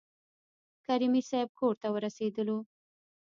کریمي صیب کورته ورسېدلو.